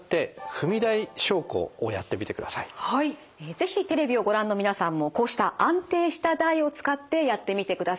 是非テレビをご覧の皆さんもこうした安定した台を使ってやってみてください。